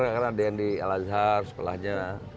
karena ada yang di elazhar sekolahnya